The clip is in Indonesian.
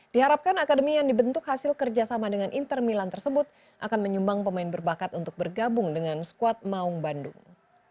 diharapkan akademi yang dibentuk hasil kerjasama dengan inter milan tersebut akan menyumbang pemain berbakat untuk bergabung dengan squad maung bandung